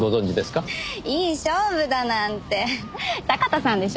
いい勝負だなんて酒田さんでしょ？